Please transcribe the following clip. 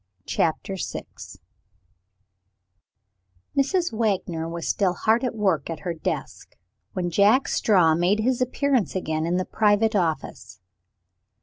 CHAPTER VI Mrs. Wagner was still hard at work at her desk, when Jack Straw made his appearance again in the private office.